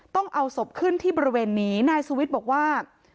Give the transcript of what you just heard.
ต้องเอาศพขึ้นที่บริเวณนี้นายสุวิทย์บอกว่า